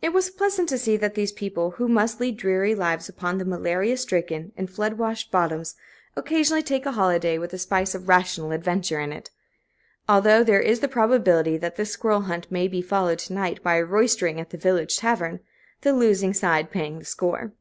It was pleasant to see that these people, who must lead dreary lives upon the malaria stricken and flood washed bottoms, occasionally take a holiday with a spice of rational adventure in it; although there is the probability that this squirrel hunt may be followed to night by a roystering at the village tavern, the losing side paying the score.